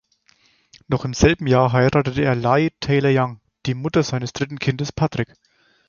Noch im selben Jahr heiratete er Leigh Taylor-Young, die Mutter seines dritten Kindes Patrick.